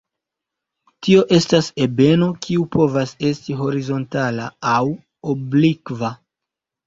Tio estas ebeno, kiu povas esti horizontala aŭ oblikva.